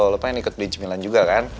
lo pengen ikut beli cemilan juga kan